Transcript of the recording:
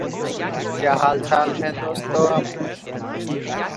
The swamp also hosts numerous woodpecker and songbird species.